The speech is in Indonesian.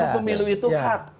pemilu itu hak